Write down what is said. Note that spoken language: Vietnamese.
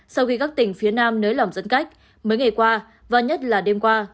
sau khi các tỉnh phía nam nới lỏng giãn cách mấy ngày qua và nhất là đêm qua